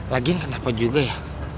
lagian kenapa juga ya